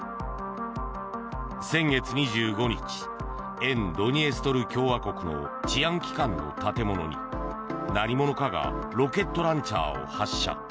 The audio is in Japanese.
先月２５日沿ドニエストル共和国の治安機関の建物に何者かがロケットランチャーを発射。